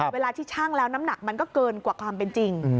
เวลาที่ชั่งแล้วน้ำหนักมันก็เกินกว่าความเป็นจริง